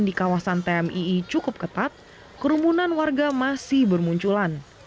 di kawasan tmii cukup ketat kerumunan warga masih bermunculan